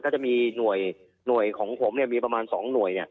ก็จะมีหน่วยของผมมีประมาณ๒หน่วย